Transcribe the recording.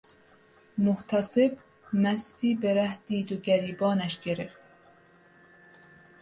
محتسب مستی به ره دید و گریبانش گرفت